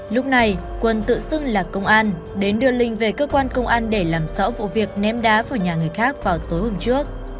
lúc này quân tự xưng là công an đến đưa linh về cơ quan công an để làm rõ vụ việc ném đá vào nhà người khác vào tối hôm trước